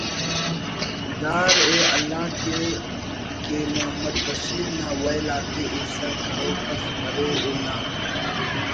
دار ءِ اللہ کے کہ محمد بشیر نا ویل آتے ایسر کروک اس برے اونا